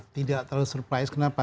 tidak terlalu surprise kenapa